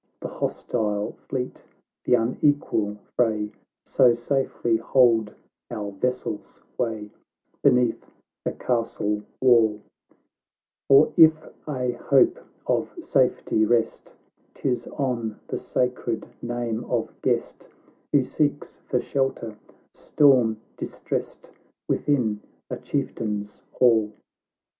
The hostile fleet, the unequal fray, So safely hold our vessel's way Beneath the Castle wall ; For if a hope of safety rest, 'Tis on the sacred name of guest, "Who seeks for shelter, storm distressed, "Within a chieftain's hall.